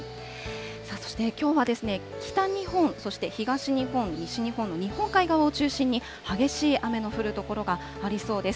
そして、きょうは北日本、そして東日本、西日本の日本海側を中心に、激しい雨の降る所がありそうです。